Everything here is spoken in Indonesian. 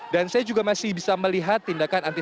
dan saya juga masih bisa melihat tindakan antisipatif